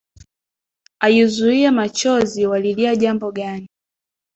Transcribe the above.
Ayuzuie machozi, walilia jambo gani